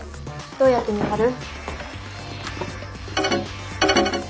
どうやって見張る？